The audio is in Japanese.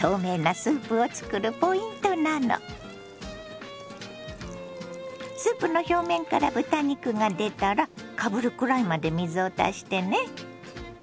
スープの表面から豚肉が出たらかぶるくらいまで水を足してね。